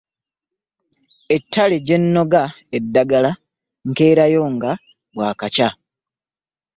Ettale gye nnoga eddagala nkeerayo nga bwakakya.